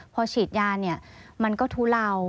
พอฉีดยามันก็ทุเลา